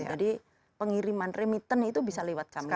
jadi pengiriman remittance itu bisa lewat kami juga